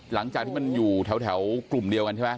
หลังจากที่มันอยู่แถวกลุ่มเดียวกันใช่ไหม